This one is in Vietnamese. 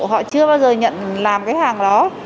họ chưa bao giờ nhận làm cái hàng đó